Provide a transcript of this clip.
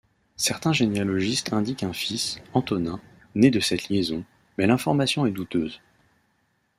Certains généalogistes indiquent un fils, Antonin, né de cette liaison, mais l'information est douteuse.